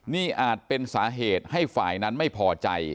นี่อาจเป็นสาเหตุให้ฝ่ายนั้นไม่พอใจ